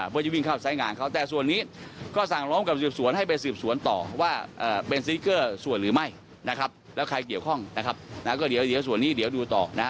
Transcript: เพื่อจะวิ่งเข้าสายงานเขาแต่ส่วนนี้ก็สั่งร้องกับสืบสวน